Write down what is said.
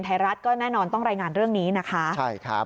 ไทยรัฐก็แน่นอนต้องรายงานเรื่องนี้นะคะใช่ครับ